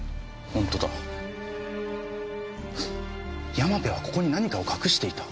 山部はここに何かを隠していた。